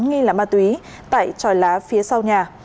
nghi là ma túy tại tròi lá phía sau nhà